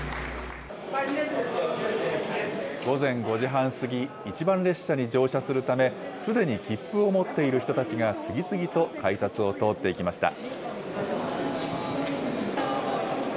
午前５時半過ぎ、１番列車に乗車するため、すでに切符を持っている人たちが、次々と改札を通っていきました。